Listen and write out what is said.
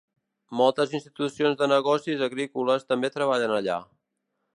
Moltes institucions de negocis agrícoles també treballen allà.